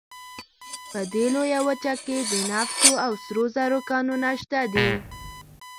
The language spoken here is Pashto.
په دې لویه وچه کې د نفتو او سرو زرو کانونه شته دي.